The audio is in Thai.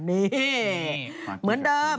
นี่เหมือนเดิม